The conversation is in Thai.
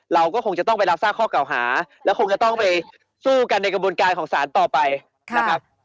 เราก็คงจะต้องไปรับทราบข้อเก่าหาแล้วคงจะต้องไปสู้กันในกระบวนการของศาลต่อไปนะครับ